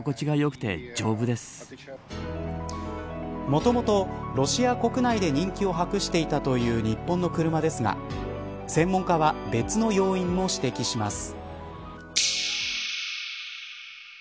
もともとロシア国内で人気を博していたという日本の車ですが専門家は別の要因も指摘します。